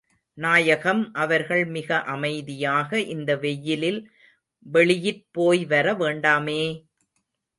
நாயகம் அவர்கள் மிக அமைதியாக இந்த வெய்யிலில் வெளியிற் போய் வர வேண்டாமே!